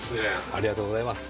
ありがとうございます。